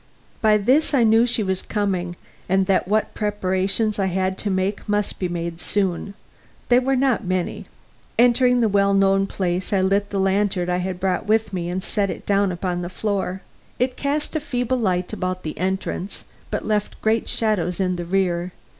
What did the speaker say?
By this I knew she was coming, and that what preparations I had to make must be made soon. They were not many. Entering the well known place, I lit the lantern I had brought with me and set it down near the door. It cast a feeble light about the entrance, but left great shadows in the rear.